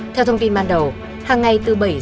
theo thông tin ban đầu hàng ngày từ bảy h ba mươi